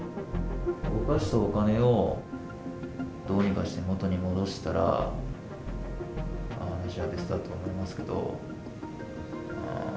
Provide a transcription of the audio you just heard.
動かしたお金をどうにかして元に戻したら話は別だと思いますけど。